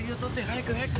早く早く！